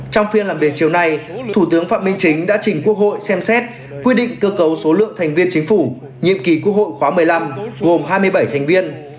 trong phiên làm việc chiều nay thủ tướng phạm minh chính đã trình quốc hội xem xét quyết định cơ cấu số lượng thành viên chính phủ nhiệm kỳ quốc hội khóa một mươi năm gồm hai mươi bảy thành viên